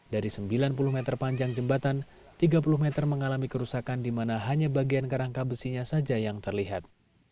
dari sembilan puluh meter panjang jembatan tiga puluh meter mengalami kerusakan di mana hanya bagian kerangka besinya saja yang terlihat